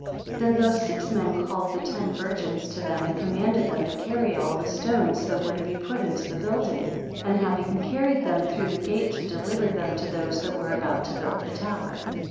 26 Then those six men called the ten virgins to them, and commanded them to carry all the stones that were to be put into the building, and having carried them through the gate to deliver them to those that were about to build the tower.